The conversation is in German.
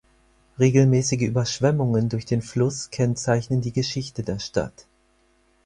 Regelmäßige Überschwemmungen durch den Fluss kennzeichen die Geschichte der Stadt.